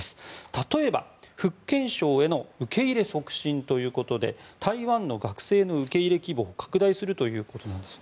例えば、福建省への受け入れ促進ということで台湾の学生の受け入れ規模を拡大するということです。